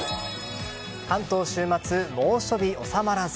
関東週末、猛暑日収まらず。